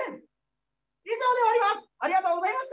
以上で終わります。